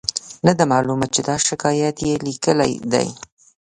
نه ده معلومه چې دا شکایت یې لیکلی دی.